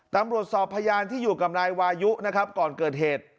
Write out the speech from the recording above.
ตำรวจสอบพยานที่อยู่กับนายวายุนะครับก่อนเกิดเหตุ